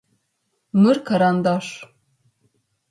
Мыр карандаш.